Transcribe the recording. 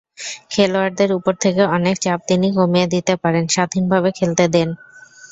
খেলোয়াড়দের ওপর থেকে অনেক চাপ তিনি কমিয়ে দিতে পারেন, স্বাধীনভাবে খেলতে দেন।